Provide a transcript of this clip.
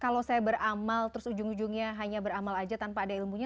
kalau saya beramal terus ujung ujungnya hanya beramal aja tanpa ada ilmunya